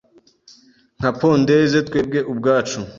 nka pondeze twebwe ubwacu